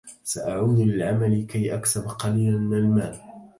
سأعود للعمل كي أكسب قليلا من المال.